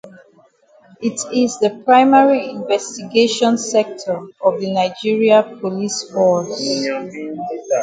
It is the primary investigating sector of the Nigeria Police Force.